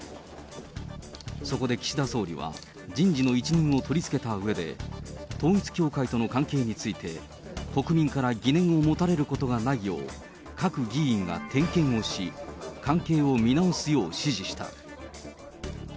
そこで岸田総理は、人事の一任を取り付けたうえで、統一教会との関係について、国民から疑念を持たれることがないよう、各議員が点検をし、関係を見直すよう指示した。